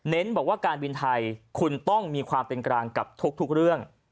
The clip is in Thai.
บอกว่าการบินไทยคุณต้องมีความเป็นกลางกับทุกเรื่อง